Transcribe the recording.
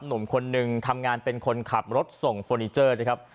หนุ่มคนนึงทำงานเป็นคนขับรถส่งเฟอร์นิเจอร์นะครับ